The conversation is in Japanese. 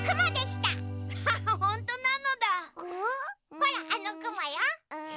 ほらあのくもよ。